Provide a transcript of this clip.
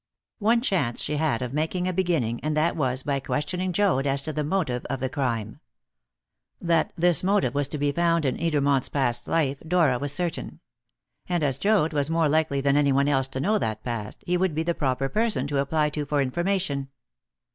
One chance she had of making a beginning, and that was by questioning Joad as to the motive of the crime. That this motive was to be found in Edermont's past life Dora was certain; and as Joad was more likely than anyone else to know that past, he would be the proper person to apply to for information.